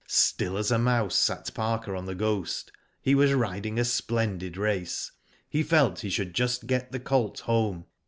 Still as a mouse sat Parker on The Ghost. He was riding a splendid race. He felt he should just get the colt home.